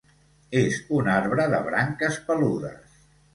És un arbre de branques peludes.